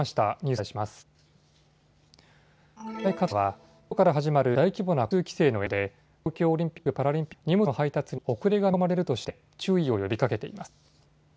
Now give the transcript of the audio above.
宅配各社はきょうから始まる大規模な交通規制の影響で東京オリンピック・パラリンピックの期間中は荷物の配達に遅れが見込まれるとして注意を呼びかけています。